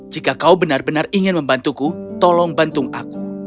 jika kau benar benar ingin membantuku tolong bantung aku